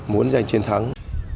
muốn giành chiến thắng